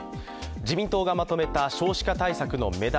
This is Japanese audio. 自民党がまとめた少子化対策の目玉